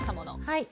はい。